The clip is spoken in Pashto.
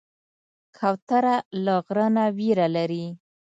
کوتره له غره نه ویره لري.